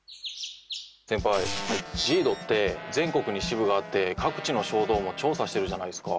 先輩ＪＩＤＯって全国に支部があって各地の衝動も調査してるじゃないですか。